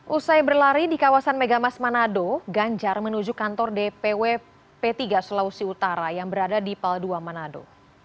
usai berlari di kawasan megamas manado ganjar menuju kantor dpw p tiga sulawesi utara yang berada di paldua manado